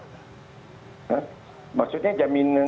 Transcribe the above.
hah maksudnya jaminan apa